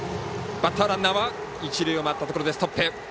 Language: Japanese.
バッターランナーは一塁を回ったところでストップ。